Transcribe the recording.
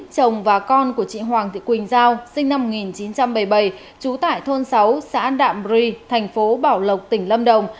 chồng và con của chị hoàng thị quỳnh giao sinh năm một nghìn chín trăm bảy mươi bảy trú tại thôn sáu xã đạm ri thành phố bảo lộc tỉnh lâm đồng